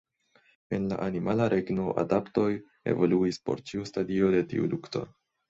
En la animala regno, adaptoj evoluis por ĉiu stadio de tiu lukto.